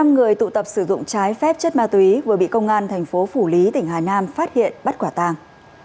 một mươi năm người tụ tập sử dụng trái phép chất ma túy vừa bị công an tp phủ lý tỉnh hà nam phát hiện bắt quả tàng